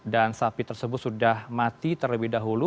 dan sapi tersebut sudah mati terlebih dahulu